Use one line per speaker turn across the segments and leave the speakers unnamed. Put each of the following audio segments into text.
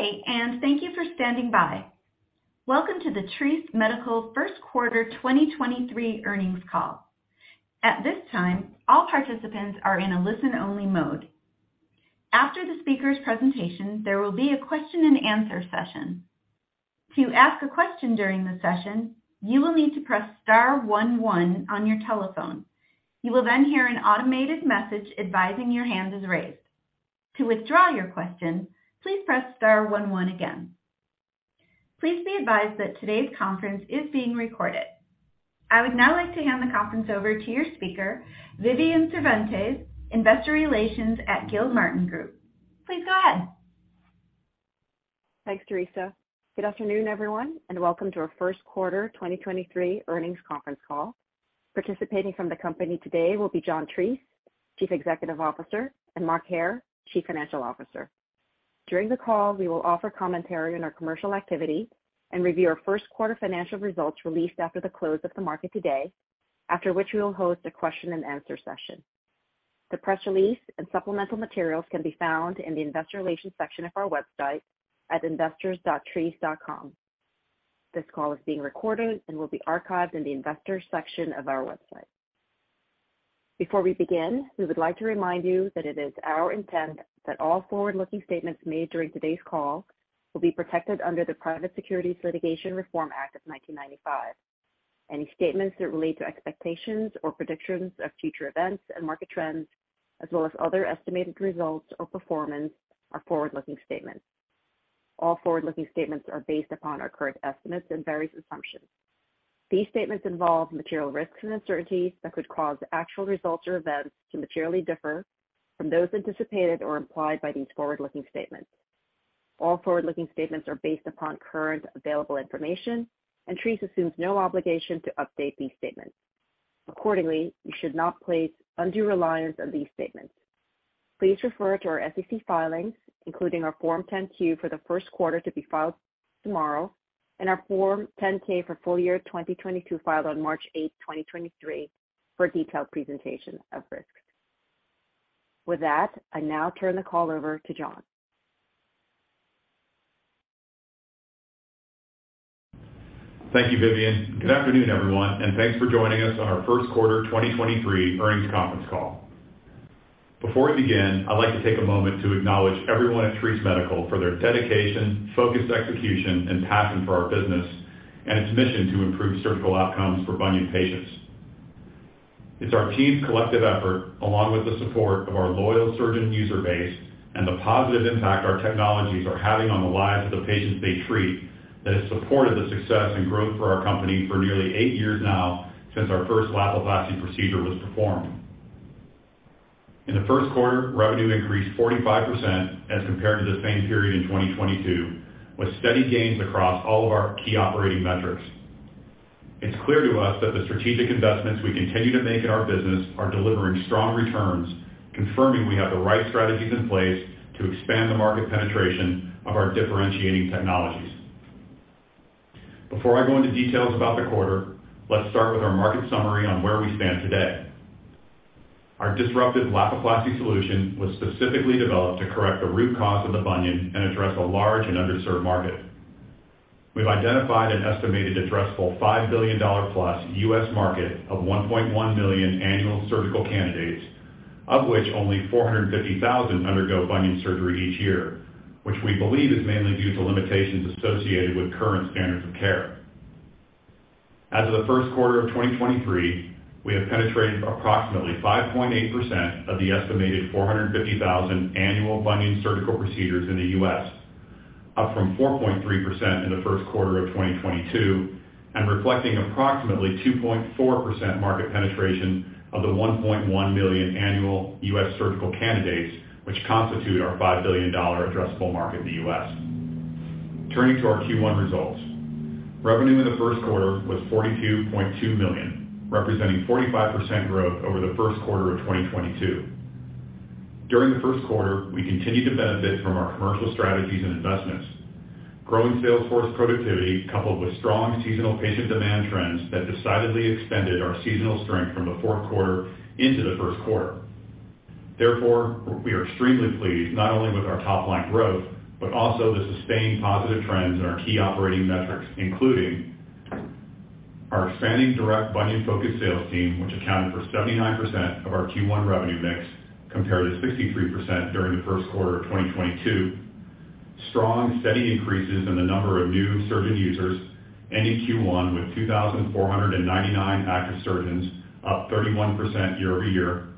Good day, thank you for standing by. Welcome to the Treace Medical Q1 2023 Earnings Call. At this time, all participants are in a listen-only mode. After the speaker's presentation, there will be a Q&A session. To ask a question during the session, you will need to press star 11 on your telephone. You will hear an automated message advising your hand is raised. To withdraw your question, please press star 11 again. Please be advised that today's conference is being recorded. I would now like to hand the conference over to your speaker, Vivian Cervantes, Investor Relations at Gilmartin Group. Please go ahead.
Thanks, Theresa. Good afternoon, everyone, and welcome to our Q1 2023 earnings conference call. Participating from the company today will be John Treace, Chief Executive Officer, and Mark Hair, Chief Financial Officer. During the call, we will offer commentary on our commercial activity and review our first quarter financial results released after the close of the market today, after which we will host a question and answer session. The press release and supplemental materials can be found in the Investor Relations section of our website at investors.treace.com. This call is being recorded and will be archived in the Investors section of our website. Before we begin, we would like to remind you that it is our intent that all forward-looking statements made during today's call will be protected under the Private Securities Litigation Reform Act of 1995. Any statements that relate to expectations or predictions of future events and market trends, as well as other estimated results or performance, are forward-looking statements. All forward-looking statements are based upon our current estimates and various assumptions. These statements involve material risks and uncertainties that could cause actual results or events to materially differ from those anticipated or implied by these forward-looking statements. All forward-looking statements are based upon current available information, and Treace assumes no obligation to update these statements. You should not place undue reliance on these statements. Please refer to our SEC filings, including our Form 10-Q for the first quarter to be filed tomorrow and our Form 10-K for full year 2022 filed on March 8, 2023 for a detailed presentation of risks. With that, I now turn the call over to John.
Thank you, Vivian. Good afternoon, everyone, thanks for joining us on our Q1 2023 earnings conference call. Before we begin, I'd like to take a moment to acknowledge everyone at Treace Medical for their dedication, focused execution, and passion for our business and its mission to improve surgical outcomes for bunion patients. It's our team's collective effort, along with the support of our loyal surgeon user base and the positive impact our technologies are having on the lives of the patients they treat that has supported the success and growth for our company for nearly eight years now since our first Lapiplasty procedure was performed. In the Q1, revenue increased 45% as compared to the same period in 2022, with steady gains across all of our key operating metrics. It's clear to us that the strategic investments we continue to make in our business are delivering strong returns, confirming we have the right strategies in place to expand the market penetration of our differentiating technologies. Before I go into details about the quarter, let's start with our market summary on where we stand today. Our disruptive Lapiplasty solution was specifically developed to correct the root cause of the bunion and address a large and underserved market. We've identified an estimated addressable $5 billion+ U.S. market of 1.1 million annual surgical candidates, of which only 450,000 undergo bunion surgery each year, which we believe is mainly due to limitations associated with current standards of care. As of the Q1 of 2023, we have penetrated approximately 5.8% of the estimated 450,000 annual bunion surgical procedures in the US, up from 4.3% in the first quarter of 2022, and reflecting approximately 2.4% market penetration of the 1.1 million annual US surgical candidates, which constitute our $5 billion addressable market in the US. Turning to our Q1 results. Revenue in the Q1 was $42.2 million, representing 45% growth over the first quarter of 2022. During the first quarter, we continued to benefit from our commercial strategies and investments. Growing sales force productivity coupled with strong seasonal patient demand trends that decidedly extended our seasonal strength from the Q4 into the Q1. Therefore, we are extremely pleased not only with our top line growth, but also the sustained positive trends in our key operating metrics, including our expanding direct bunion-focused sales team, which accounted for 79% of our Q1 revenue mix compared to 63% during the first quarter of 2022. Strong, steady increases in the number of new surgeon users ending Q1 with 2,499 active surgeons, up 31% year-over-year.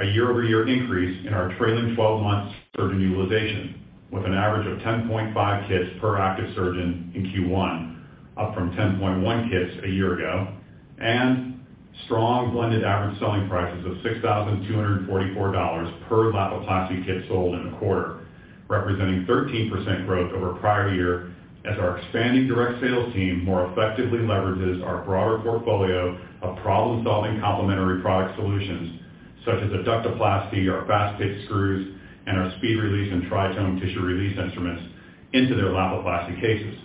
A year-over-year increase in our trailing-twelve-month surgeon utilization with an average of 10.5 kits per active surgeon in Q1, up from 10.1 kits a year ago. Strong blended average selling prices of $6,244 per Lapiplasty kit sold in the quarter, representing 13% growth over prior year as our expanding direct sales team more effectively leverages our broader portfolio of problem-solving complementary product solutions such as Adductoplasty, our FastPitch screws, and our SpeedRelease and TriTome tissue release instruments into their Lapiplasty cases.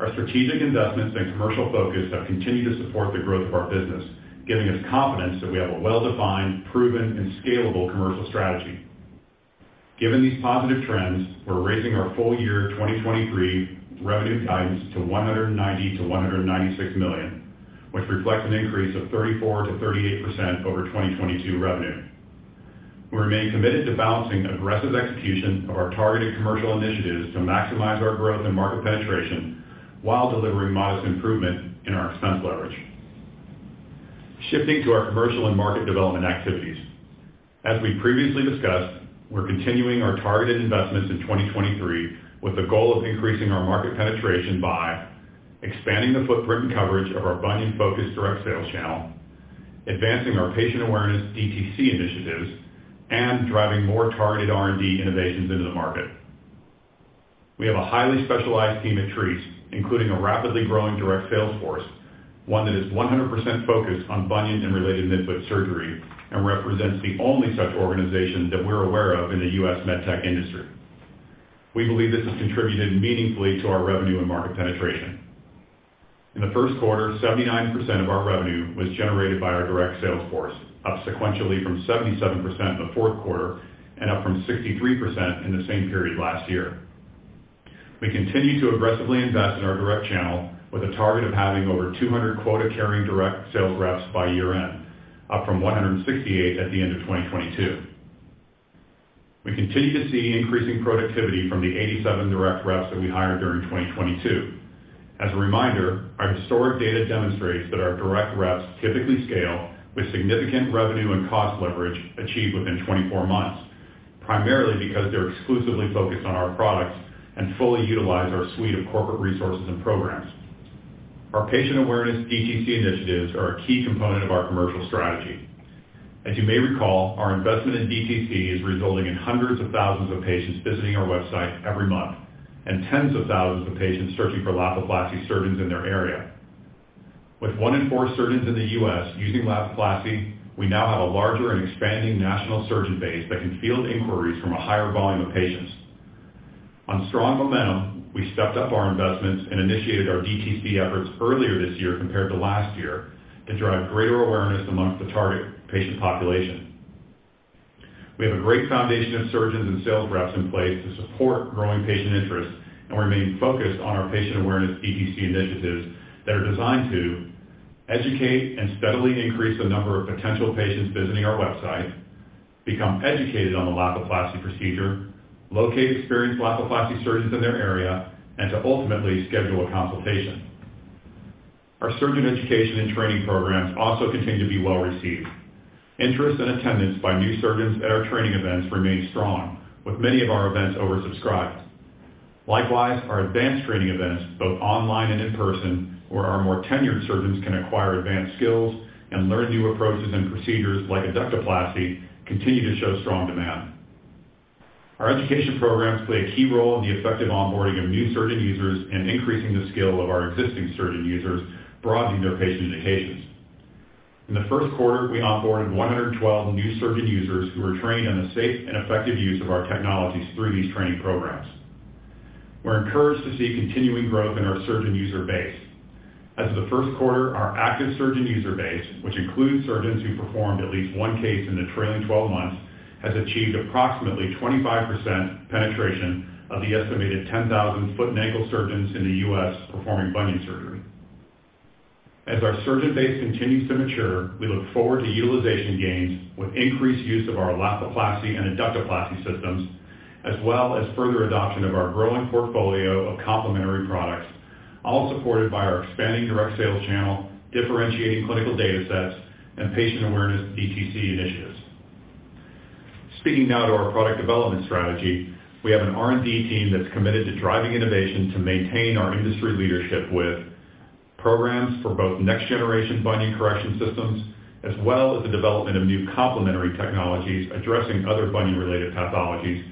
Our strategic investments and commercial focus have continued to support the growth of our business, giving us confidence that we have a well-defined, proven, and scalable commercial strategy. Given these positive trends, we're raising our full year 2023 revenue guidance to $190 million-$196 million, which reflects an increase of 34%-38% over 2022 revenue. We remain committed to balancing aggressive execution of our targeted commercial initiatives to maximize our growth and market penetration while delivering modest improvement in our expense leverage. Shifting to our commercial and market development activities. As we previously discussed, we're continuing our targeted investments in 2023 with the goal of increasing our market penetration by expanding the footprint and coverage of our bunion focus direct sales channel, advancing our patient awareness DTC initiatives, and driving more targeted R&D innovations into the market. We have a highly specialized team at Treace, including a rapidly growing direct sales force, one that is 100% focused on bunion and related midfoot surgery, and represents the only such organization that we're aware of in the US med tech industry. We believe this has contributed meaningfully to our revenue and market penetration. In the first quarter, 79% of our revenue was generated by our direct sales force, up sequentially from 77% in the Q4 and up from 63% in the same period last year. We continue to aggressively invest in our direct channel with a target of having over 200 quota-carrying direct sales reps by year-end, up from 168 at the end of 2022. We continue to see increasing productivity from the 87 direct reps that we hired during 2022. As a reminder, our historic data demonstrates that our direct reps typically scale with significant revenue and cost leverage achieved within 24 months, primarily because they're exclusively focused on our products and fully utilize our suite of corporate resources and programs. Our patient awareness DTC initiatives are a key component of our commercial strategy. As you may recall, our investment in DTC is resulting in hundreds of thousands of patients visiting our website every month and tens of thousands of patients searching for Lapiplasty surgeons in their area. With one in four surgeons in the US using Lapiplasty, we now have a larger and expanding national surgeon base that can field inquiries from a higher volume of patients. On strong momentum, we stepped up our investments and initiated our DTC efforts earlier this year compared to last year to drive greater awareness amongst the target patient population. We have a great foundation of surgeons and sales reps in place to support growing patient interest, remain focused on our patient awareness DTC initiatives that are designed to educate and steadily increase the number of potential patients visiting our website, become educated on the Lapiplasty procedure, locate experienced Lapiplasty surgeons in their area, and to ultimately schedule a consultation. Our surgeon education and training programs also continue to be well-received. Interest and attendance by new surgeons at our training events remain strong, with many of our events oversubscribed. Likewise, our advanced training events, both online and in person, where our more tenured surgeons can acquire advanced skills and learn new approaches and procedures like Adductoplasty, continue to show strong demand. Our education programs play a key role in the effective onboarding of new surgeon users and increasing the skill of our existing surgeon users, broadening their patient indications. In the Q1, we onboarded 112 new surgeon users who were trained in the safe and effective use of our technologies through these training programs. We're encouraged to see continuing growth in our surgeon user base. As of the first quarter, our active surgeon user base, which includes surgeons who performed at least one case in the trailing 12 months, has achieved approximately 25% penetration of the estimated 10,000 foot and ankle surgeons in the US performing bunion surgery. As our surgeon base continues to mature, we look forward to utilization gains with increased use of our Lapiplasty and Adductoplasty systems, as well as further adoption of our growing portfolio of complementary products, all supported by our expanding direct sales channel, differentiating clinical data sets, and patient awareness DTC initiatives. Speaking now to our product development strategy, we have an R&D team that's committed to driving innovation to maintain our industry leadership with programs for both next generation bunion correction systems, as well as the development of new complementary technologies addressing other bunion-related pathologies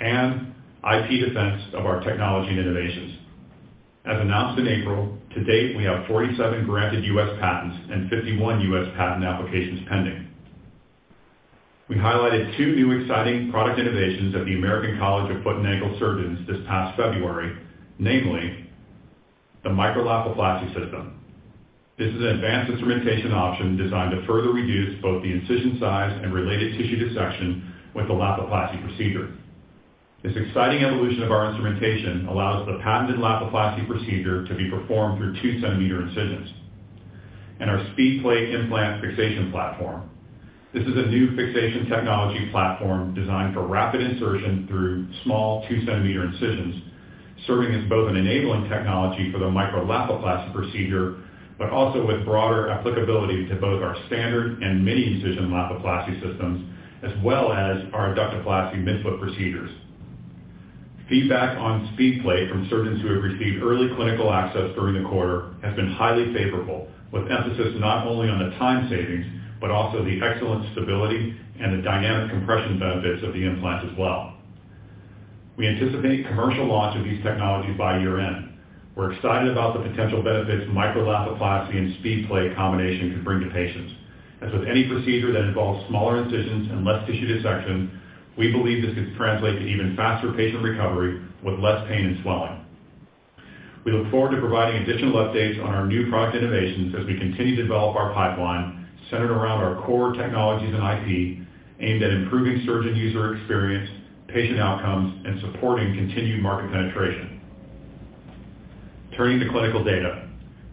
and IP defense of our technology and innovations. As announced in April, to date, we have 47 granted US patents and 51 US patent applications pending. We highlighted two new exciting product innovations at the American College of Foot and Ankle Surgeons this past February, namely the Micro-Lapiplasty system. This is an advanced instrumentation option designed to further reduce both the incision size and related tissue dissection with the Lapiplasty procedure. This exciting evolution of our instrumentation allows the patented Lapiplasty procedure to be performed through 2-cm incisions. Our SpeedPlate implant fixation platform. This is a new fixation technology platform designed for rapid insertion through small 2-cm incisions, serving as both an enabling technology for the Micro-Lapiplasty procedure, but also with broader applicability to both our standard and mini-incision Lapiplasty systems, as well as our Adductoplasty midfoot procedures. Feedback on SpeedPlate from surgeons who have received early clinical access during the quarter has been highly favorable, with emphasis not only on the time savings, but also the excellent stability and the dynamic compression benefits of the implant as well. We anticipate commercial launch of these technologies by year-end. We're excited about the potential benefits Micro-Lapiplasty and SpeedPlate combination can bring to patients. As with any procedure that involves smaller incisions and less tissue dissection. We believe this could translate to even faster patient recovery with less pain and swelling. We look forward to providing additional updates on our new product innovations as we continue to develop our pipeline centered around our core technologies and IP aimed at improving surgeon user experience, patient outcomes, and supporting continued market penetration. Turning to clinical data.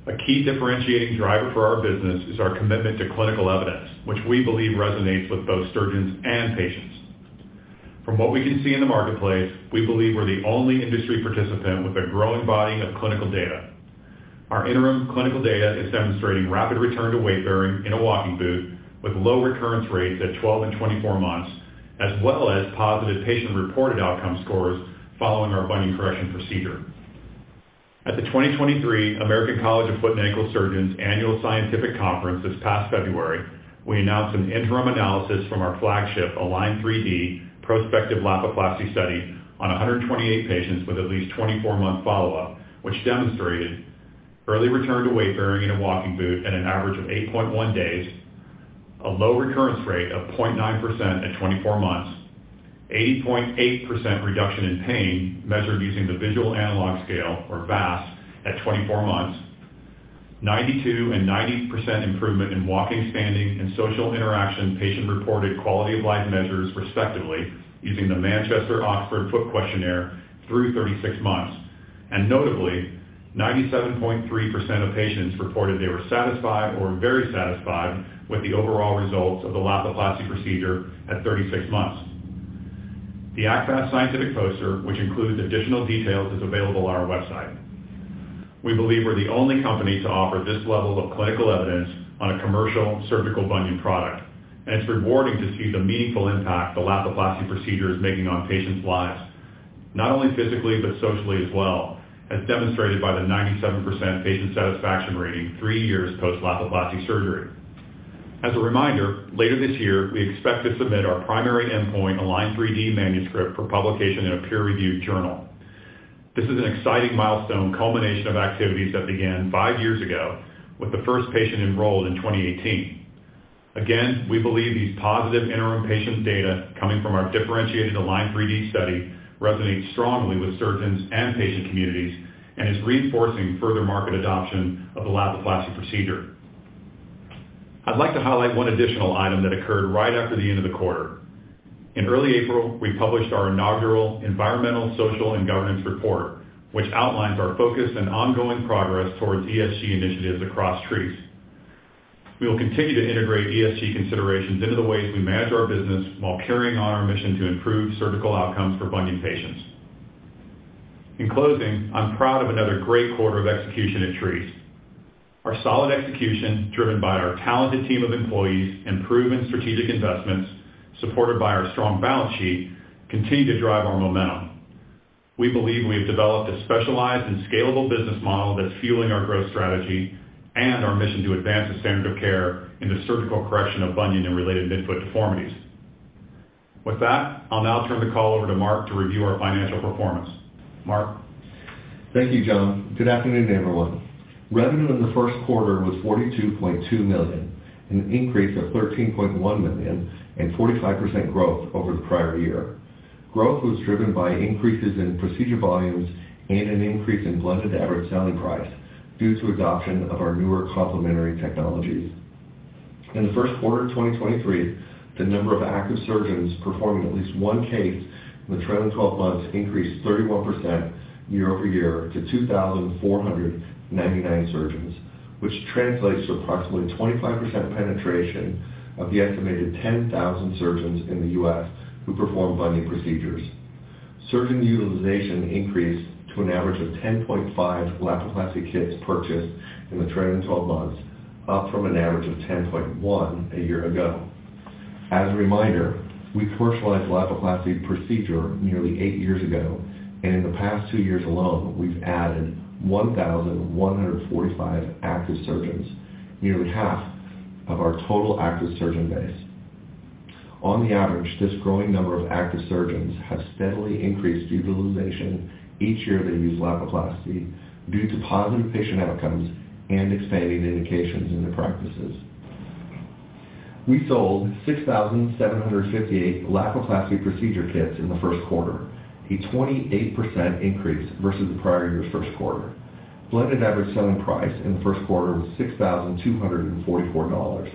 A key differentiating driver for our business is our commitment to clinical evidence, which we believe resonates with both surgeons and patients. From what we can see in the marketplace, we believe we're the only industry participant with a growing body of clinical data. Our interim clinical data is demonstrating rapid return to weight-bearing in a walking boot with low recurrence rates at 12 and 24 months, as well as positive patient-reported outcome scores following our bunion correction procedure. At the 2023 American College of Foot and Ankle Surgeons Annual Scientific Conference this past February, we announced an interim analysis from our flagship ALIGN3D prospective Lapiplasty study on 128 patients with at least 24 month follow-up, which demonstrated early return to weight-bearing in a walking boot at an average of 8.1 days, a low recurrence rate of 0.9% at 24 months, 80.8% reduction in pain measured using the Visual Analog Scale, or VAS, at 24 months, 92% and 90% improvement in walking, standing, and social interaction patient-reported quality-of-life measures, respectively, using the Manchester-Oxford Foot Questionnaire through 36 months. Notably, 97.3% of patients reported they were satisfied or very satisfied with the overall results of the Lapiplasty procedure at 36 months. The ACFAS scientific poster, which includes additional details, is available on our website. We believe we're the only company to offer this level of clinical evidence on a commercial surgical bunion product, and it's rewarding to see the meaningful impact the Lapiplasty procedure is making on patients' lives, not only physically, but socially as well, as demonstrated by the 97% patient satisfaction rating three years post Lapiplasty surgery. As a reminder, later this year, we expect to submit our primary endpoint ALIGN3D manuscript for publication in a peer-reviewed journal. This is an exciting milestone culmination of activities that began five years ago with the first patient enrolled in 2018. We believe these positive interim patient data coming from our differentiated ALIGN3D study resonates strongly with surgeons and patient communities and is reinforcing further market adoption of the Lapiplasty procedure. I'd like to highlight one additional item that occurred right after the end of the quarter. In early April, we published our inaugural Environmental, Social, and Governance report, which outlines our focus and ongoing progress towards ESG initiatives across Treace. We will continue to integrate ESG considerations into the ways we manage our business while carrying on our mission to improve surgical outcomes for bunion patients. In closing, I'm proud of another great quarter of execution at Treace. Our solid execution, driven by our talented team of employees and proven strategic investments, supported by our strong balance sheet, continue to drive our momentum. We believe we have developed a specialized and scalable business model that's fueling our growth strategy and our mission to advance the standard of care in the surgical correction of bunion and related midfoot deformities. With that, I'll now turn the call over to Mark to review our financial performance. Mark?
Thank you, John. Good afternoon, everyone. Revenue in the first quarter was $42.2 million, an increase of $13.1 million and 45% growth over the prior year. Growth was driven by increases in procedure volumes and an increase in blended average selling price due to adoption of our newer complementary technologies. In the first quarter of 2023, the number of active surgeons performing at least one case in the trailing 12 months increased 31% year-over-year to 2,499 surgeons, which translates to approximately 25% penetration of the estimated 10,000 surgeons in the U.S. who perform bunion procedures. Surgeon utilization increased to an average of 10.5 Lapiplasty kits purchased in the trailing 12 months, up from an average of 10.1 a year ago. As a reminder, we commercialized the Lapiplasty procedure nearly eight years ago, and in the past two years alone, we've added 1,145 active surgeons, nearly half of our total active surgeon base. On the average, this growing number of active surgeons have steadily increased utilization each year they use Lapiplasty due to positive patient outcomes and expanding indications in their practices. We sold 6,758 Lapiplasty procedure kits in the Q1, a 28% increase versus the prior year's Q1. Blended average selling price in the Q1 was $6,244,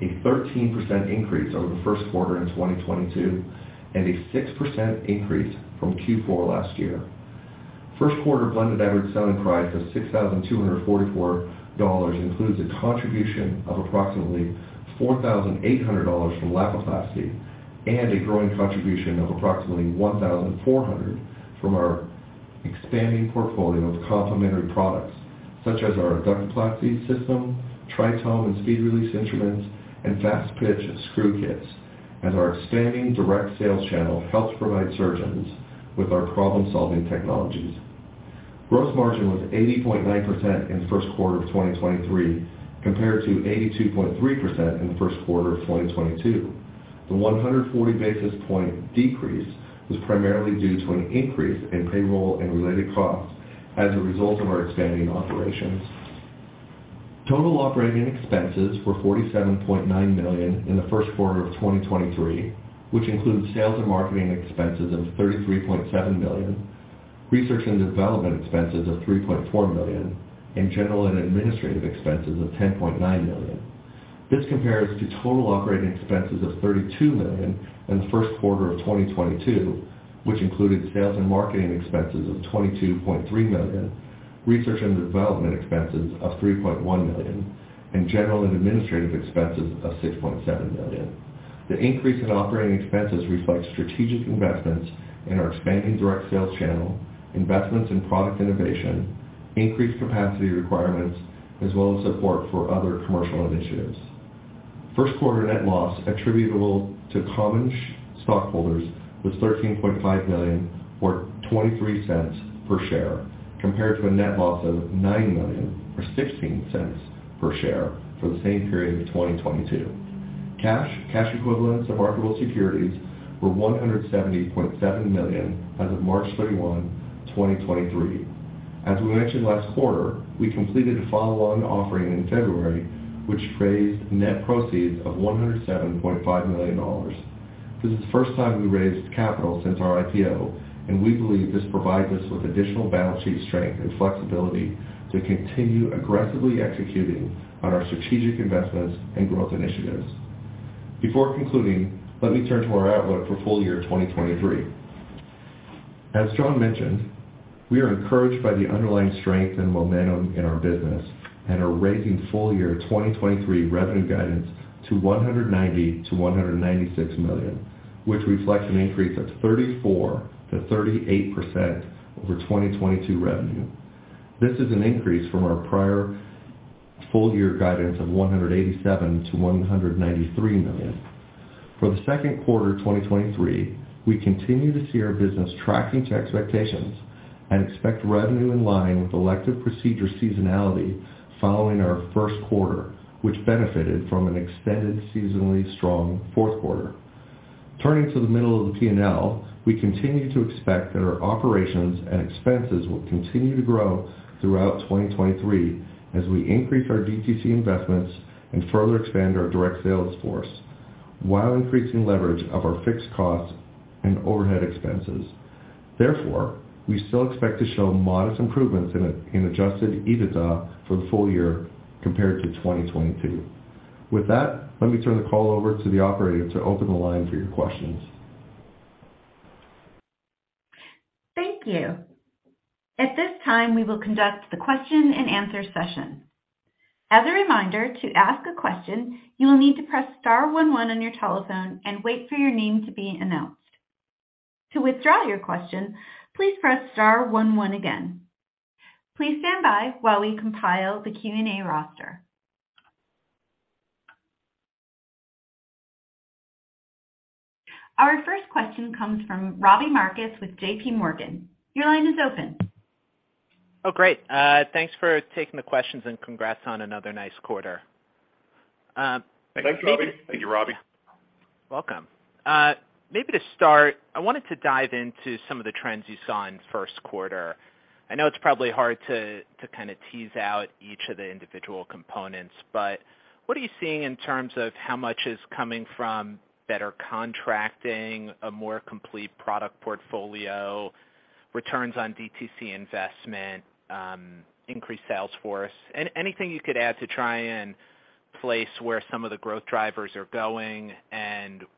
a 13% increase over the first quarter in 2022, and a 6% increase from Q4 last year. Q1 blended average selling price of $6,244 includes a contribution of approximately $4,800 from Lapiplasty and a growing contribution of approximately $1,400 from our expanding portfolio of complementary products, such as our Adductoplasty system, TriTome and SpeedRelease instruments, and FastPitch screw kits. As our expanding direct sales channel helps provide surgeons with our problem-solving technologies. Gross margin was 80.9% in the first quarter of 2023, compared to 82.3% in the first quarter of 2022. The 140 basis point decrease was primarily due to an increase in payroll and related costs as a result of our expanding operations. Total operating expenses were $47.9 million in the Q1 of 2023, which includes sales and marketing expenses of $33.7 million, research and development expenses of $3.4 million, and general and administrative expenses of $10.9 million. This compares to total operating expenses of $32 million in the first quarter of 2022, which included sales and marketing expenses of $22.3 million, research and development expenses of $3.1 million, and general and administrative expenses of $6.7 million. The increase in operating expenses reflects strategic investments in our expanding direct sales channel, investments in product innovation, increased capacity requirements, as well as support for other commercial initiatives. Q1 net loss attributable to common stockholders was $13.5 million, or $0.23 per share, compared to a net loss of $9 million for $0.16 per share for the same period in 2022. Cash, cash equivalents, and marketable securities were $170.7 million as of March 31, 2023. As we mentioned last quarter, we completed a follow-on offering in February, which raised net proceeds of $107.5 million. This is the first time we raised capital since our IPO. We believe this provides us with additional balance sheet strength and flexibility to continue aggressively executing on our strategic investments and growth initiatives. Before concluding, let me turn to our outlook for full year 2023. As John mentioned, we are encouraged by the underlying strength and momentum in our business and are raising full year 2023 revenue guidance to $190 million-$196 million, which reflects an increase of 34%-38% over 2022 revenue. This is an increase from our prior full year guidance of $187 million-$193 million. For the Q2 2023, we continue to see our business tracking to expectations and expect revenue in line with elective procedure seasonality following our Q1, which benefited from an extended seasonally strong Q4. Turning to the middle of the P&L, we continue to expect that our operations and expenses will continue to grow throughout 2023 as we increase our DTC investments and further expand our direct sales force while increasing leverage of our fixed costs and overhead expenses. We still expect to show modest improvements in adjusted EBITDA for the full year compared to 2022. With that, let me turn the call over to the operator to open the line for your questions.
Thank you. At this time, we will conduct the Q&A session. As a reminder, to ask a question, you will need to press star 11 on your telephone and wait for your name to be announced. To withdraw your question, please press star 11 again. Please stand by while we compile the Q&A roster. Our first question comes from Robbie Marcus with JPMorgan. Your line is open.
Oh, great. Thanks for taking the questions, and congrats on another nice quarter.
Thanks, Robbie.
Thank you, Robbie.
Welcome. Maybe to start, I wanted to dive into some of the trends you saw in the first quarter. I know it's probably hard to kind of tease out each of the individual components, but what are you seeing in terms of how much is coming from better contracting, a more complete product portfolio, returns on DTC investment, increased sales force? Anything you could add to try and place where some of the growth drivers are going and what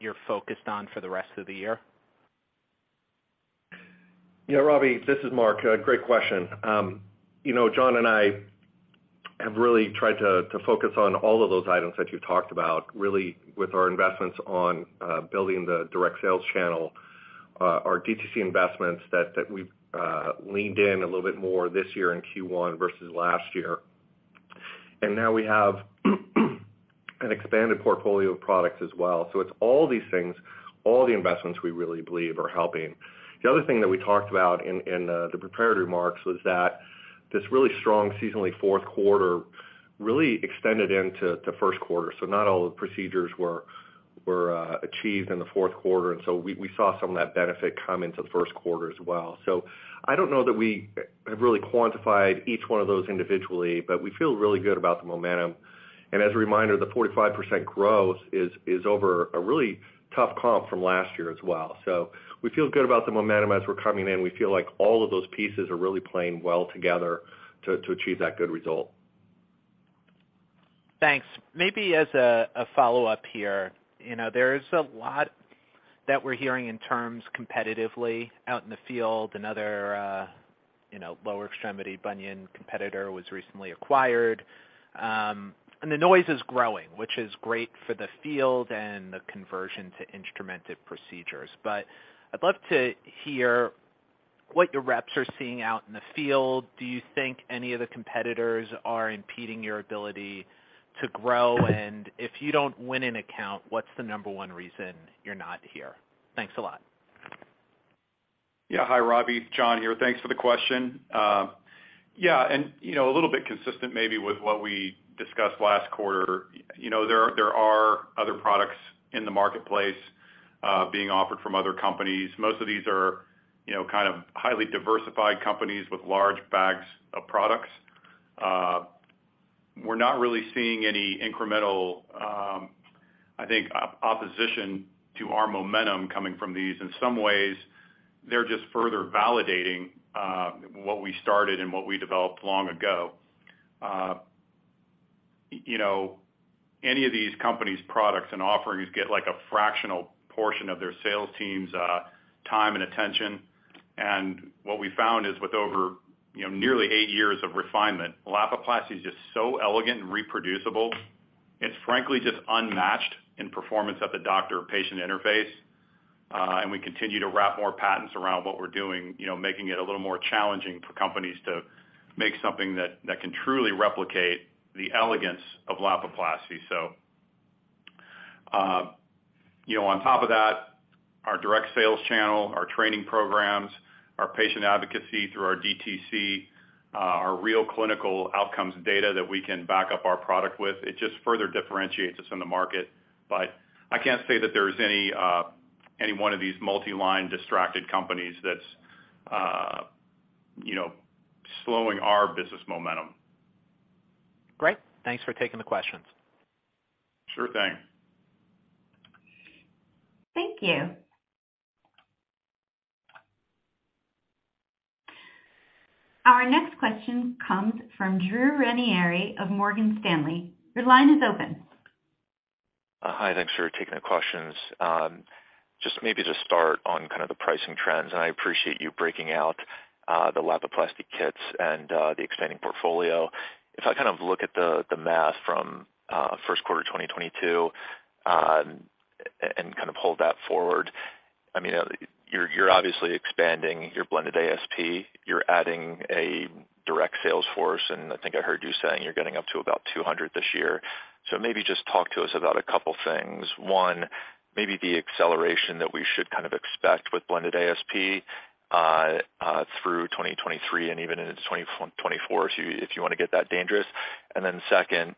you're focused on for the rest of the year.
Yeah, Robbie, this is Mark. Great question. You know, John and I have really tried to focus on all of those items that you talked about, really with our investments on building the direct sales channel, our DTC investments that we've leaned in a little bit more this year in Q1 versus last year. Now we have an expanded portfolio of products as well. It's all these things, all the investments we really believe are helping. The other thing that we talked about in the prepared remarks was that this really strong seasonally Q4 really extended into the Q1. Not all the procedures were achieved in the Q4, and so we saw some of that benefit come into the Q1 as well. I don't know that we have really quantified each one of those individually, but we feel really good about the momentum. As a reminder, the 45% growth is over a really tough comp from last year as well. We feel good about the momentum as we're coming in. We feel like all of those pieces are really playing well together to achieve that good result.
Thanks. Maybe as a follow-up here, you know, there's a lot that we're hearing in terms competitively out in the field. Another, you know, lower extremity bunion competitor was recently acquired, and the noise is growing, which is great for the field and the conversion to instrumented procedures. I'd love to hear what your reps are seeing out in the field. Do you think any of the competitors are impeding your ability to grow? If you don't win an account, what's the number one reason you're not here? Thanks a lot.
Yeah. Hi, Robbie. John here. Thanks for the question. Yeah, you know, a little bit consistent maybe with what we discussed last quarter. You know, there are other products in the marketplace Being offered from other companies. Most of these are, you know, kind of highly diversified companies with large bags of products. We're not really seeing any incremental, I think, opposition to our momentum coming from these. In some ways, they're just further validating, what we started and what we developed long ago. You know, any of these companies' products and offerings get like a fractional portion of their sales team's, time and attention. What we found is with over, you know, nearly eight years of refinement, Lapiplasty is just so elegant and reproducible. It's frankly just unmatched in performance at the doctor-patient interface. We continue to wrap more patents around what we're doing, you know, making it a little more challenging for companies to make something that can truly replicate the elegance of Lapiplasty. You know, on top of that, our direct sales channel, our training programs, our patient advocacy through our DTC, our real clinical outcomes data that we can back up our product with, it just further differentiates us in the market. But I can't say that there's any one of these multi-line distracted companies that's, you know, slowing our business momentum.
Great. Thanks for taking the questions.
Sure thing.
Thank you. Our next question comes from Drew Ranieri of Morgan Stanley. Your line is open.
Hi. Thanks for taking the questions. Just maybe to start on kind of the pricing trends, I appreciate you breaking out the Lapiplasty kits and the expanding portfolio. If I kind of look at the math from Q1 2022 and kind of hold that forward, I mean, you're obviously expanding your blended ASP, you're adding a direct sales force, and I think I heard you saying you're getting up to about 200 this year. Maybe just talk to us about a couple things. One, maybe the acceleration that we should kind of expect with blended ASP through 2023 and even into 2024 if you, if you wanna get that dangerous. Second,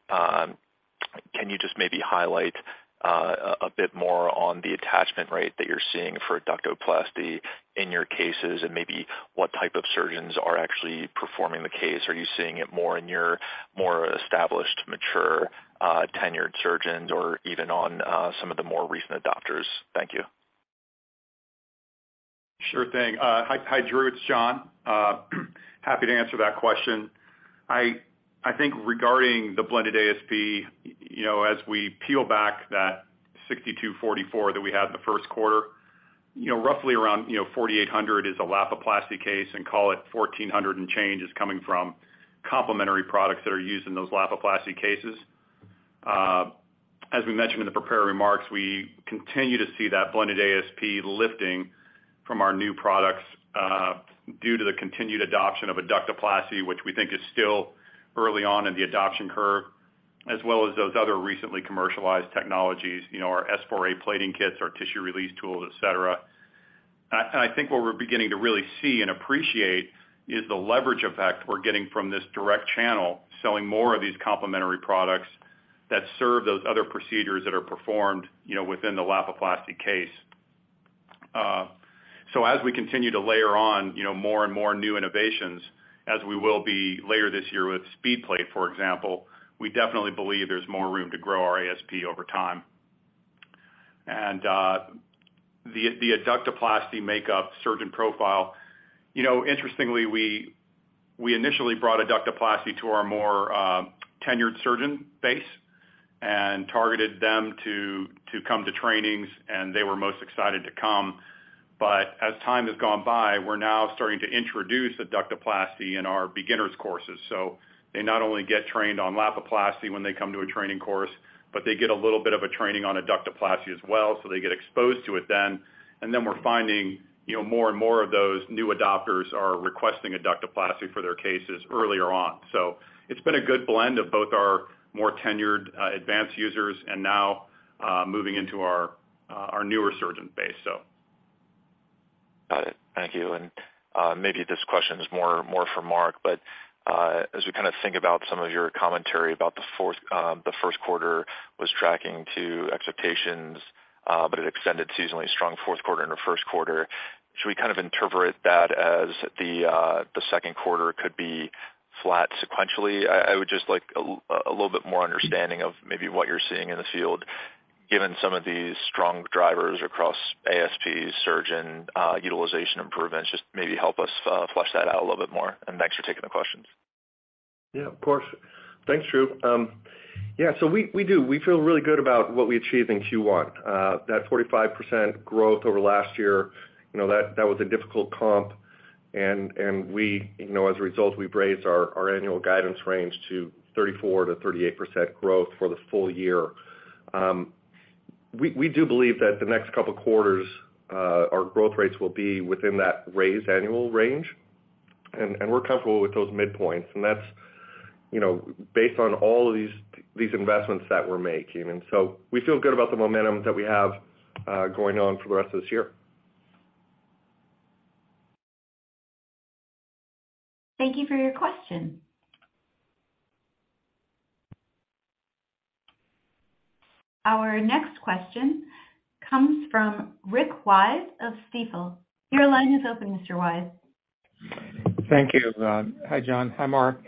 can you just maybe highlight a bit more on the attachment rate that you're seeing for Adductoplasty in your cases, and maybe what type of surgeons are actually performing the case? Are you seeing it more in your more established, mature, tenured surgeons or even on some of the more recent adopters? Thank you.
Sure thing. Hi, Drew, it's John. Happy to answer that question. I think regarding the blended ASP, you know, as we peel back that $6,244 that we had in the first quarter, you know, roughly around, you know, $4,800 is a Lapiplasty case, and call it $1,400 and change is coming from complementary products that are used in those Lapiplasty cases. As we mentioned in the prepared remarks, we continue to see that blended ASP lifting from our new products, due to the continued adoption of Adductoplasty, which we think is still early on in the adoption curve, as well as those other recently commercialized technologies, you know, our S4a plating kits, our tissue release tools, et cetera. I think what we're beginning to really see and appreciate is the leverage effect we're getting from this direct channel selling more of these complementary products that serve those other procedures that are performed, you know, within the Lapiplasty case. As we continue to layer on, you know, more and more new innovations as we will be later this year with SpeedPlate, for example, we definitely believe there's more room to grow our ASP over time. The Adductoplasty makeup surgeon profile, you know, interestingly, we initially brought Adductoplasty to our more tenured surgeon base and targeted them to come to trainings, and they were most excited to come. As time has gone by, we're now starting to introduce Adductoplasty in our beginners courses. They not only get trained on Lapiplasty when they come to a training course, but they get a little bit of a training on Adductoplasty as well, so they get exposed to it then. Then we're finding, you know, more and more of those new adopters are requesting Adductoplasty for their cases earlier on. It's been a good blend of both our more tenured, advanced users and now, moving into our newer surgeon base.
Got it. Thank you. Maybe this question is more, more for Mark, as we kind of think about some of your commentary about the first quarter was tracking to expectations, but it extended seasonally strong fourth quarter into Q1. Should we kind of interpret that as the second quarter could be flat sequentially? I would just like a little bit more understanding of maybe what you're seeing in the field given some of these strong drivers across ASP, surgeon, utilization improvements. Just maybe help us flesh that out a little bit more. Thanks for taking the questions.
Of course. Thanks, Drew. We do feel really good about what we achieved in Q1. That 45% growth over last year, you know, that was a difficult comp, and we, you know, as a result, we've raised our annual guidance range to 34%-38% growth for the full year. We do believe that the next couple quarters, our growth rates will be within that raised annual range, and we're comfortable with those midpoints, and that's, you know, based on all of these investments that we're making. We feel good about the momentum that we have going on for the rest of this year.
Thank you for your question. Our next question comes from Rick Wise of Stifel. Your line is open, Mr. Wise.
Thank you. Hi, John. Hi, Mark.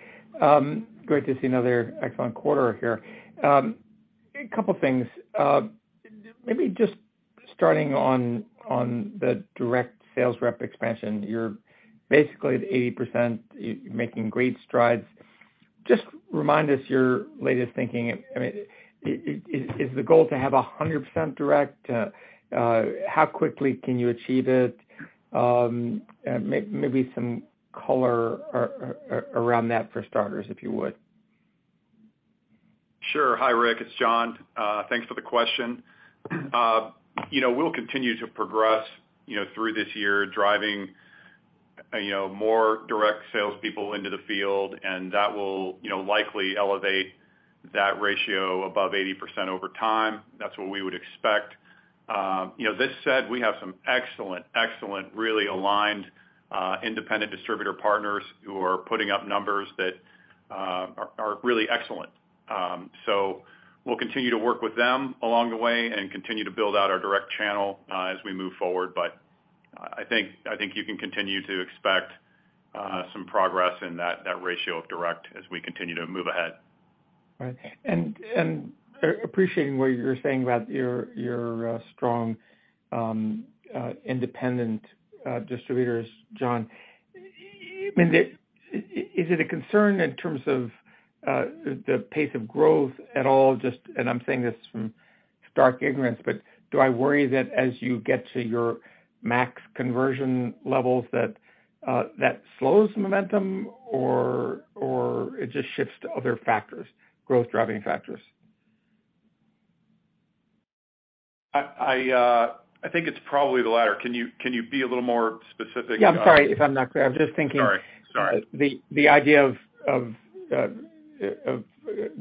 Great to see another excellent quarter here. A couple things. Maybe just starting on the direct sales rep expansion, you're basically at 80%, making great strides. Just remind us your latest thinking. I mean, is the goal to have 100% direct? How quickly can you achieve it? Maybe some color around that for starters, if you would.
Sure. Hi, Rick. It's John. Thanks for the question. You know, we'll continue to progress, you know, through this year, driving, you know, more direct sales people into the field. That will, you know, likely elevate that ratio above 80% over time. That's what we would expect. You know, this said, we have some excellent, really aligned independent distributor partners who are putting up numbers that are really excellent. We'll continue to work with them along the way and continue to build out our direct channel as we move forward. I think you can continue to expect some progress in that ratio of direct as we continue to move ahead.
Right. Appreciating what you're saying about your strong, independent, distributors, John, I mean, is it a concern in terms of the pace of growth at all? Just, I'm saying this from stark ignorance, but do I worry that as you get to your max conversion levels that slows momentum or it just shifts to other factors, growth-driving factors?
I think it's probably the latter. Can you be a little more specific?
Yeah, I'm sorry if I'm not clear. I'm just thinking-
Sorry. Sorry.
The idea of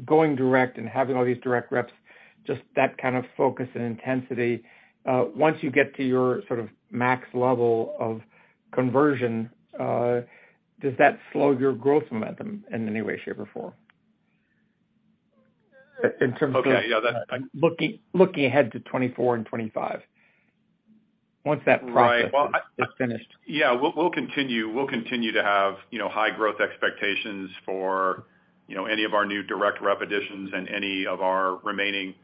going direct and having all these direct reps, just that kind of focus and intensity. Once you get to your sort of max level of conversion, does that slow your growth momentum in any way, shape, or form? In terms of-
Okay. Yeah, that's...
I'm looking ahead to 2024 and 2025. Once that process..
Right
Is finished.
Yeah. We'll continue to have, you know, high growth expectations for, you know, any of our new direct rep additions and any of our remaining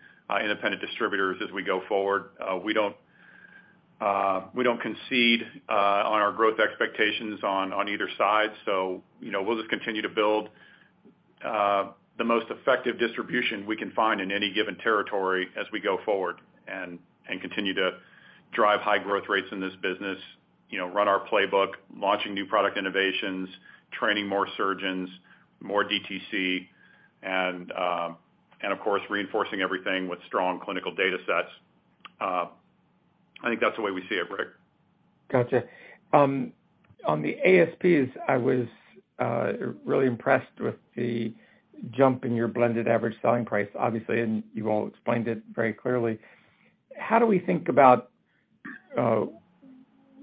independent distributors as we go forward. We don't concede on our growth expectations on either side. You know, we'll just continue to build the most effective distribution we can find in any given territory as we go forward and continue to drive high growth rates in this business. You know, run our playbook, launching new product innovations, training more surgeons, more DTC, and of course, reinforcing everything with strong clinical data sets. I think that's the way we see it, Rick.
Gotcha. On the ASPs, I was really impressed with the jump in your blended average selling price, obviously, and you've all explained it very clearly. How do we think about, you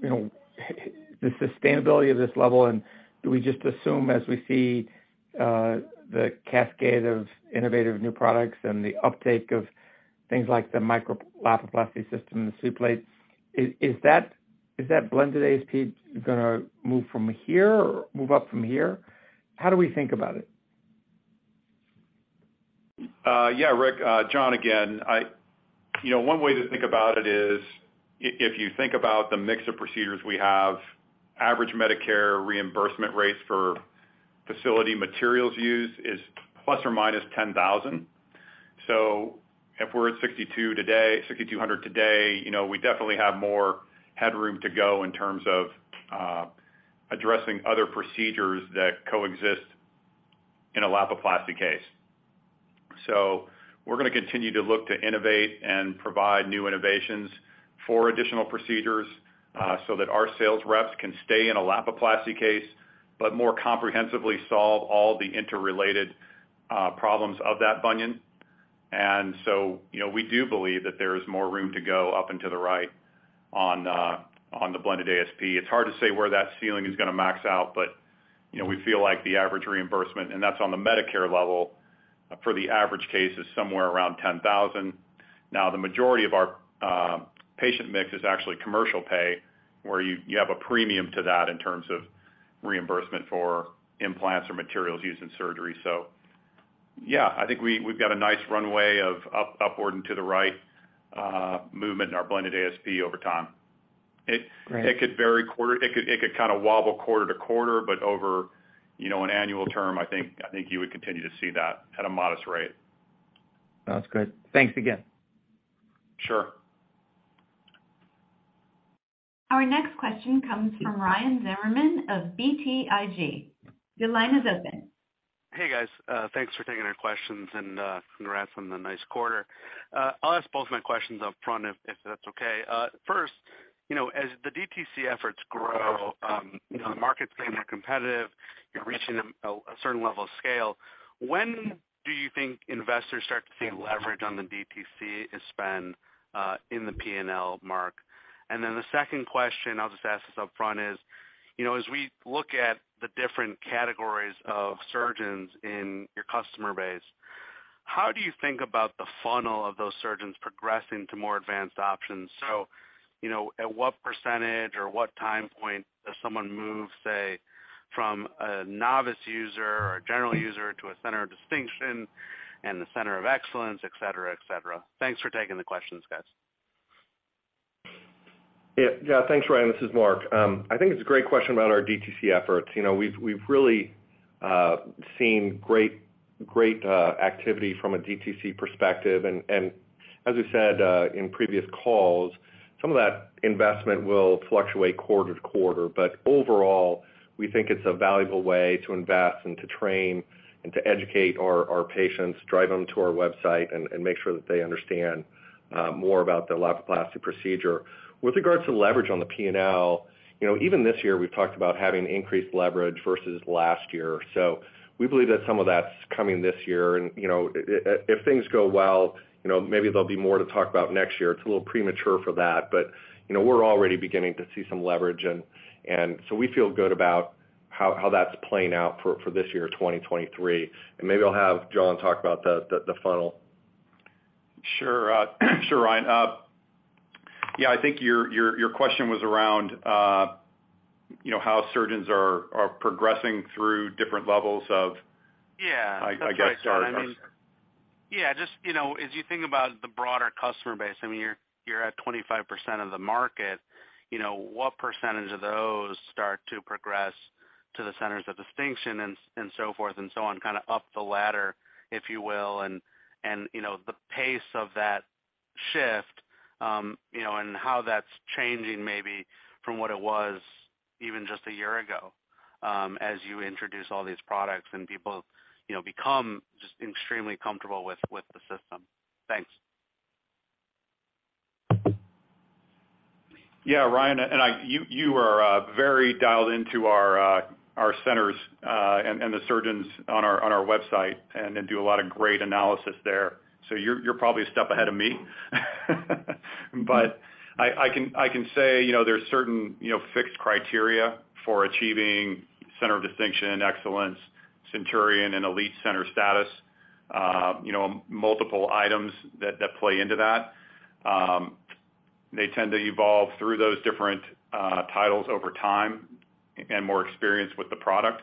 know, the sustainability of this level? Do we just assume as we see the cascade of innovative new products and the uptake of things like the Micro-Lapiplasty system, the SpeedPlate, is that blended ASP gonna move from here or move up from here? How do we think about it?
Yeah, Rick. John again. you know, one way to think about it is if you think about the mix of procedures we have, average Medicare reimbursement rates for facility materials used is ±$10,000. If we're at $6,200 today, you know, we definitely have more headroom to go in terms of addressing other procedures that coexist in a Lapiplasty case. We're gonna continue to look to innovate and provide new innovations for additional procedures so that our sales reps can stay in a Lapiplasty case, but more comprehensively solve all the interrelated problems of that bunion. you know, we do believe that there is more room to go up and to the right on the blended ASP. It's hard to say where that ceiling is gonna max out. You know, we feel like the average reimbursement, and that's on the Medicare level, for the average case is somewhere around $10,000. The majority of our patient mix is actually commercial pay, where you have a premium to that in terms of reimbursement for implants or materials used in surgery. Yeah, I think we've got a nice runway of up, upward and to the right movement in our blended ASP over time.
Great
It could vary quarter. It could kind of wobble quarter to quarter, but over, you know, an annual term, I think you would continue to see that at a modest rate.
That's good. Thanks again.
Sure.
Our next question comes from Ryan Zimmerman of BTIG. Your line is open.
Hey, guys. Thanks for taking our questions and congrats on the nice quarter. I'll ask both my questions up front if that's okay. First, you know, as the DTC efforts grow, you know, the market's getting more competitive, you're reaching a certain level of scale. When do you think investors start to see leverage on the DTC spend in the P&L, Mark? The second question, I'll just ask this up front, is, you know, as we look at the different categories of surgeons in your customer base. How do you think about the funnel of those surgeons progressing to more advanced options? You know, at what percentage or what time point does someone move, say, from a novice user or a general user to a center of distinction and the center of excellence, et cetera, et cetera. Thanks for taking the questions, guys.
Yeah. Thanks, Ryan. This is Mark. I think it's a great question about our DTC efforts. You know, we've really seen great activity from a DTC perspective. As we said, in previous calls, some of that investment will fluctuate quarter to quarter. Overall, we think it's a valuable way to invest and to train and to educate our patients, drive them to our website and make sure that they understand more about the Lapiplasty procedure. With regards to leverage on the P&L, you know, even this year we've talked about having increased leverage versus last year. We believe that some of that's coming this year. You know, if things go well, you know, maybe there'll be more to talk about next year. It's a little premature for that, but, you know, we're already beginning to see some leverage and so we feel good about how that's playing out for this year, 2023. Maybe I'll have John talk about the funnel.
Sure. Sure, Ryan. Yeah, I think your question was around, you know, how surgeons are progressing through different levels.
Yeah.
I guess.
Yeah, just, you know, as you think about the broader customer base, I mean, you're at 25% of the market, you know, what percentage of those start to progress to the centers of distinction and so forth and so on, kind of up the ladder, if you will, and, you know, the pace of that shift, you know, and how that's changing maybe from what it was even just a year ago, as you introduce all these products and people, you know, become just extremely comfortable with the system? Thanks.
Ryan. You are very dialed into our centers and the surgeons on our website and then do a lot of great analysis there. You're probably a step ahead of me. I can say, you know, there's certain, you know, fixed criteria for achieving center of distinction, excellence, centurion and elite center status, you know, multiple items that play into that. They tend to evolve through those different titles over time and more experience with the product.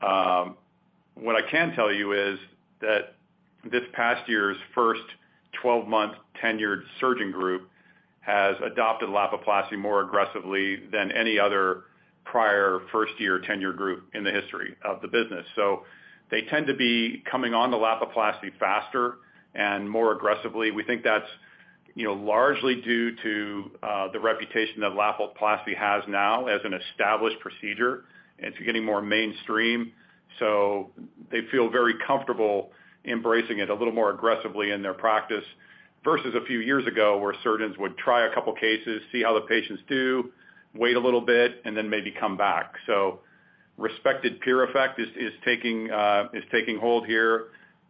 What I can tell you is that this past year's first 12-month tenured surgeon group has adopted Lapiplasty more aggressively than any other prior first-year tenure group in the history of the business. They tend to be coming on to Lapiplasty faster and more aggressively. We think that's, you know, largely due to the reputation that Lapiplasty has now as an established procedure, and it's getting more mainstream. They feel very comfortable embracing it a little more aggressively in their practice, versus a few years ago, where surgeons would try a couple cases, see how the patients do, wait a little bit, and then maybe come back. Respected peer effect is taking hold here.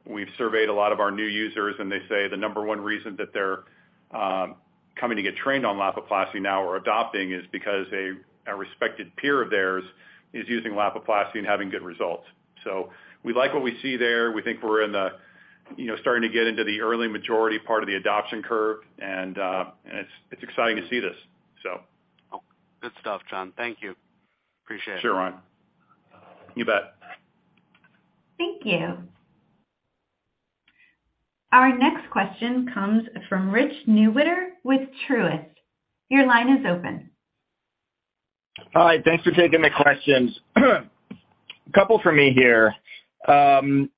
We've surveyed a lot of our new users, and they say the number one reason that they're coming to get trained on Lapiplasty now or adopting is because a respected peer of theirs is using Lapiplasty and having good results. We like what we see there. We think we're in the, you know, starting to get into the early majority part of the adoption curve. It's exciting to see this.
Good stuff, John. Thank you. Appreciate it.
Sure, Ryan. You bet.
Thank you. Our next question comes from Richard Newitter with Truist. Your line is open.
Hi. Thanks for taking the questions. A couple from me here.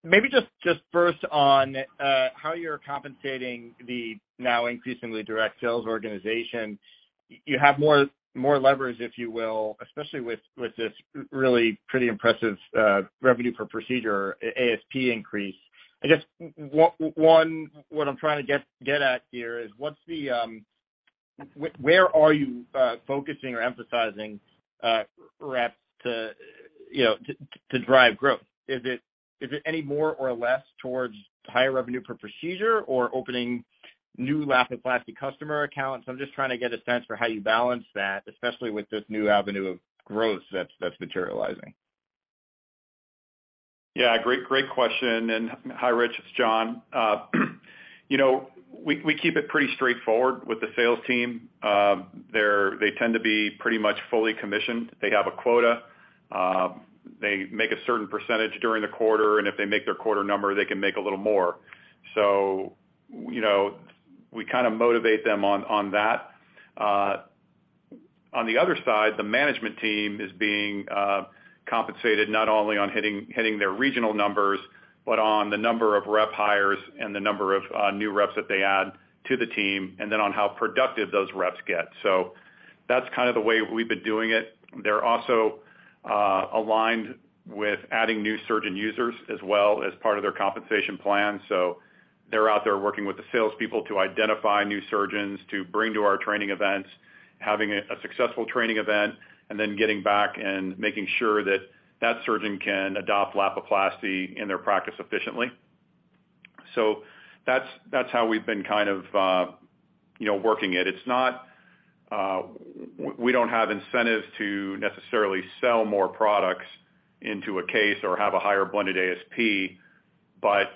maybe just first on, how you're compensating the now increasingly direct sales organization. You have more leverage, if you will, especially with this really pretty impressive, revenue per procedure, ASP increase. I guess one, what I'm trying to get at here is what's the... Where are you, focusing or emphasizing, reps to, you know, to drive growth? Is it any more or less towards higher revenue per procedure or opening new Lapiplasty customer accounts? I'm just trying to get a sense for how you balance that, especially with this new avenue of growth that's materializing.
Great, great question. Hi, Rich, it's John. You know, we keep it pretty straightforward with the sales team. They tend to be pretty much fully commissioned. They have a quota. They make a certain percentage during the quarter. If they make their quarter number, they can make a little more. You know, we kind of motivate them on that. On the other side, the management team is being compensated not only on hitting their regional numbers, but on the number of rep hires and the number of new reps that they add to the team. Then on how productive those reps get. That's kind of the way we've been doing it. They're also aligned with adding new surgeon users as well as part of their compensation plan. They're out there working with the salespeople to identify new surgeons to bring to our training events, having a successful training event, and then getting back and making sure that that surgeon can adopt Lapiplasty in their practice efficiently. That's how we've been kind of, you know, working it. We don't have incentives to necessarily sell more products into a case or have a higher blended ASP, but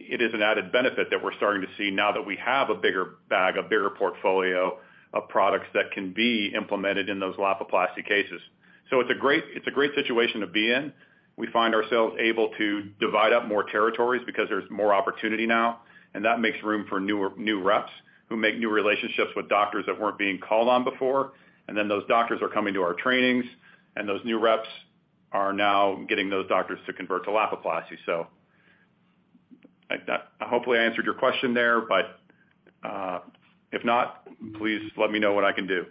it is an added benefit that we're starting to see now that we have a bigger bag, a bigger portfolio of products that can be implemented in those Lapiplasty cases. It's a great situation to be in. We find ourselves able to divide up more territories because there's more opportunity now, and that makes room for new reps who make new relationships with doctors that weren't being called on before. Those doctors are coming to our trainings, and those new reps are now getting those doctors to convert to Lapiplasty. Hopefully, I answered your question there, but, if not, please let me know what I can do.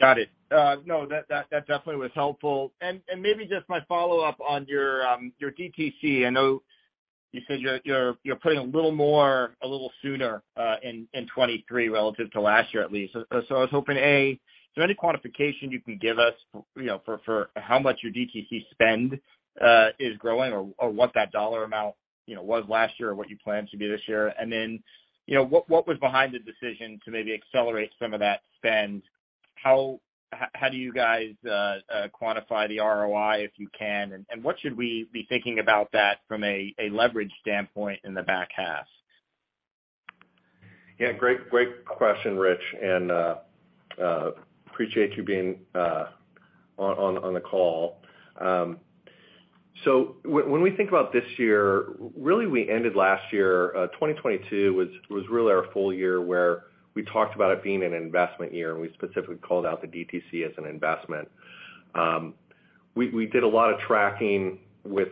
Got it. No, that definitely was helpful. Maybe just my follow-up on your DTC. I know you said you're putting a little more, a little sooner in 2023 relative to last year, at least. I was hoping, A, is there any quantification you can give us, you know, for how much your DTC spend is growing or what that dollar amount, you know, was last year or what you plan to do this year? You know, what was behind the decision to maybe accelerate some of that spend? How do you guys quantify the ROI, if you can? What should we be thinking about that from a leverage standpoint in the back half?
Yeah. Great, great question, Rich, and appreciate you being on the call. When we think about this year, really, we ended last year, 2022 was really our full year where we talked about it being an investment year, and we specifically called out the DTC as an investment. We did a lot of tracking with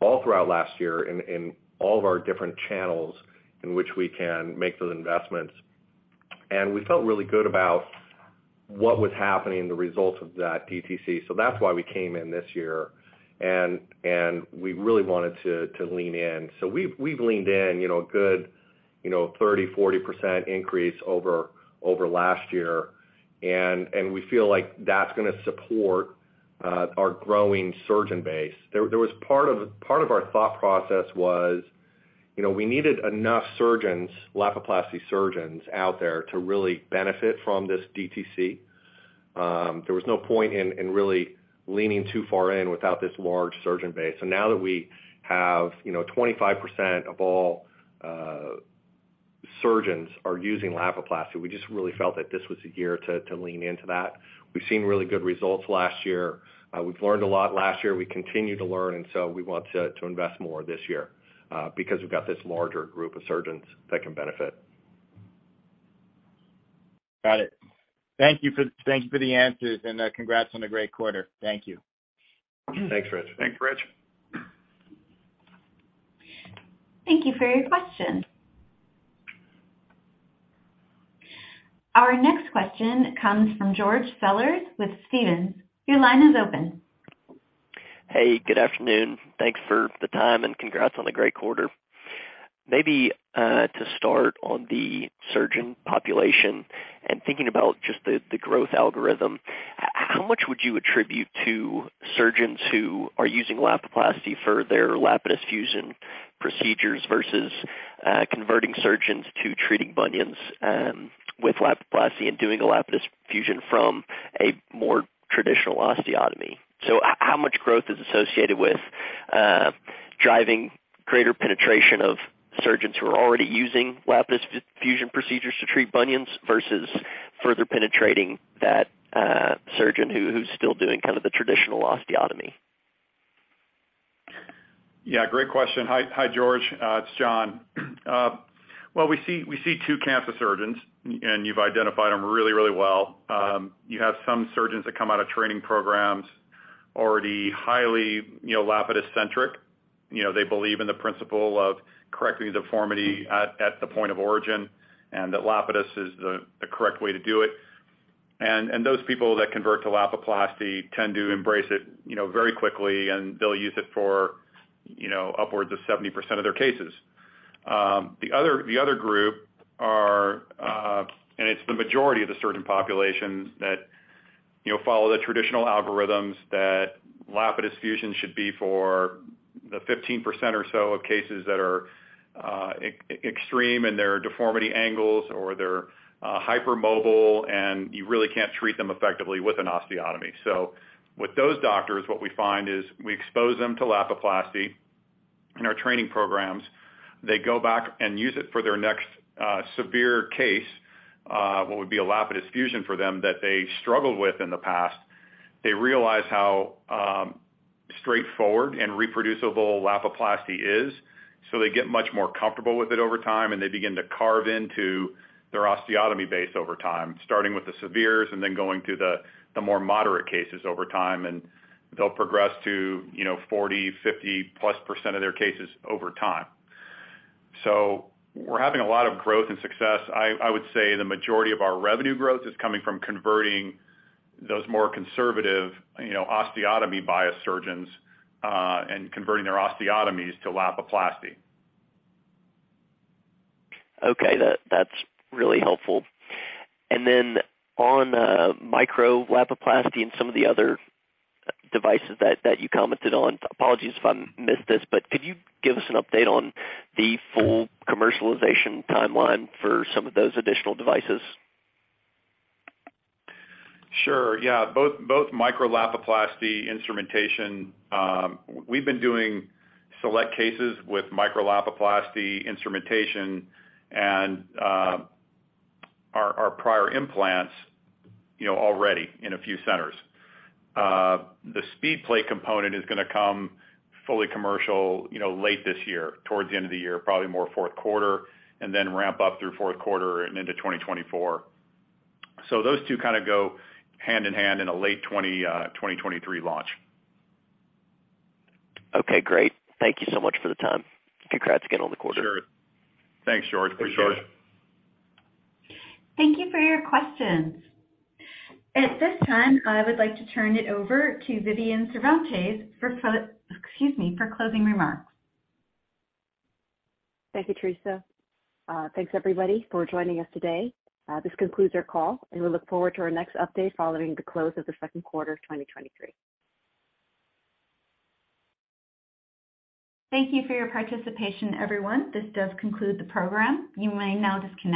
all throughout last year in all of our different channels in which we can make those investments. We felt really good about what was happening in the results of that DTC. That's why we came in this year and we really wanted to lean in. We've leaned in, you know, a good, you know, 30%-40% increase over last year. We feel like that's gonna support our growing surgeon base. There was part of our thought process was, you know, we needed enough surgeons, Lapiplasty surgeons out there to really benefit from this DTC. There was no point in really leaning too far in without this large surgeon base. Now that we have, you know, 25% of all surgeons are using Lapiplasty, we just really felt that this was the year to lean into that. We've seen really good results last year. We've learned a lot last year. We continue to learn, we want to invest more this year because we've got this larger group of surgeons that can benefit.
Got it. Thank you for the answers, and congrats on a great quarter. Thank you.
Thanks, Rich.
Thanks, Rich.
Thank you for your question. Our next question comes from George Sellers with Stephens. Your line is open.
Hey, good afternoon. Thanks for the time, and congrats on the great quarter. Maybe, to start on the surgeon population and thinking about just the growth algorithm, how much would you attribute to surgeons who are using Lapiplasty for their Lapidus fusion procedures versus, converting surgeons to treating bunions, with Lapiplasty and doing a Lapidus fusion from a more traditional osteotomy? How much growth is associated with, driving greater penetration of surgeons who are already using Lapidus fusion procedures to treat bunions versus further penetrating that, surgeon who's still doing kind of the traditional osteotomy?
Yeah, great question. Hi, George. It's John. Well, we see two camps of surgeons, you've identified them really, really well. You have some surgeons that come out of training programs already highly, you know, Lapidus centric. You know, they believe in the principle of correcting deformity at the point of origin, that Lapidus is the correct way to do it. Those people that convert to Lapiplasty tend to embrace it, you know, very quickly, they'll use it for, you know, upwards of 70% of their cases. The other, the other group are, and it's the majority of the surgeon population that, you know, follow the traditional algorithms that Lapidus fusion should be for the 15% or so of cases that are extreme in their deformity angles or they're hypermobile, and you really can't treat them effectively with an osteotomy. With those doctors, what we find is we expose them to Lapiplasty in our training programs. They go back and use it for their next severe case, what would be a Lapidus fusion for them that they struggled with in the past. They realize how straightforward and reproducible Lapiplasty is, so they get much more comfortable with it over time, and they begin to carve into their osteotomy base over time, starting with the severes and then going through the more moderate cases over time. They'll progress to, you know, 40, 50%+ of their cases over time. We're having a lot of growth and success. I would say the majority of our revenue growth is coming from converting those more conservative, you know, osteotomy bias surgeons and converting their osteotomies to Lapiplasty.
Okay. That's really helpful. Then on Micro-Lapiplasty and some of the other devices that you commented on, apologies if I missed this, but could you give us an update on the full commercialization timeline for some of those additional devices?
Sure, yeah. Both Micro-Lapiplasty instrumentation, we've been doing select cases with Micro-Lapiplasty instrumentation and our prior implants, you know, already in a few centers. The SpeedPlate component is gonna come fully commercial, you know, late this year, towards the end of the year, probably more fourth quarter, and then ramp up through fourth quarter and into 2024. Those two kind of go hand in hand in a late 2023 launch.
Okay, great. Thank you so much for the time. Congrats again on the quarter.
Sure. Thanks, George. Appreciate it.
Thank you for your questions. At this time, I would like to turn it over to Vivian Cervantes for excuse me, for closing remarks.
Thank you, Theresa. Thanks everybody for joining us today. This concludes our call, and we look forward to our next update following the close of the Q2 of 2023.
Thank you for your participation, everyone. This does conclude the program. You may now disconnect.